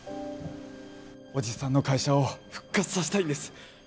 おじさんの会社を復活させたいんです。